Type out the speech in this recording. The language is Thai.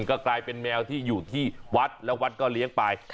ก็กลายเป็นแมวที่อยู่ที่วัดแล้ววัดก็เลี้ยงไป